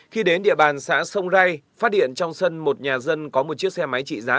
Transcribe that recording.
khi đến địa bàn xã sông rai phát điện trong sân một nhà dân có một chiếc xe máy trị giá